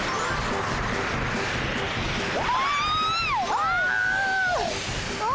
ああ！